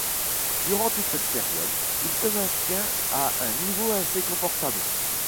Durant toute cette période il se maintient à un niveau assez confortable.